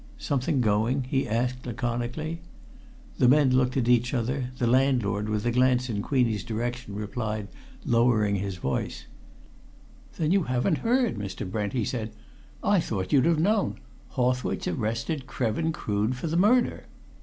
"Something going?" he asked laconically. The men looked at each other; the landlord, with a glance in Queenie's direction, replied, lowering his voice: "Then you haven't heard, Mr. Brent?" he said. "I thought you'd have known. Hawthwaite's arrested Krevin Crood for the murder."